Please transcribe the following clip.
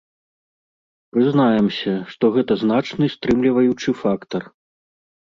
Прызнаемся, што гэта значны стрымліваючы фактар.